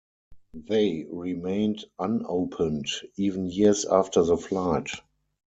They remained unopened, even years after the flight.